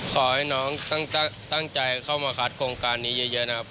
ขอให้น้องตั้งใจเข้ามาคัดโครงการนี้เยอะนะครับ